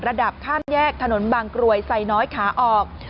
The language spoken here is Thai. ระดับข้ามแยกถนนบางกรวยใส่น้อยขาออก